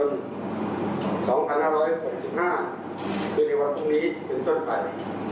มีผลตั้งแต่วันที่๑๙เมษายน๒๕๘๕ที่ในวันพรุ่งนี้จนจนไป